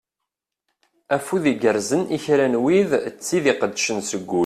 Afud igerzen i kra n wid d tid iqeddcen seg ul.